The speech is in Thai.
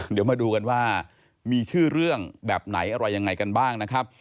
เดี๋ยวมาดูกันว่ามีชื่อเรื่องแบบไหนอะไรยังไงกันบ้างนะครับ